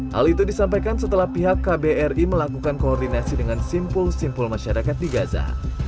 hal itu disampaikan setelah pihak kbri melakukan koordinasi dengan simpul simpul masyarakat di gaza